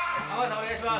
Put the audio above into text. お願いします。